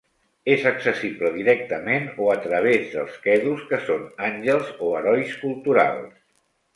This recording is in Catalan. És accessible directament o a través dels "qedus", que són àngels o herois culturals.